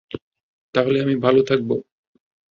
তাহলে আমি ভালো থাকব।